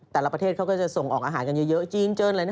แต่ละประเทศเขาก็จะส่งออกอาหารกันเยอะจีนเจออะไรนะ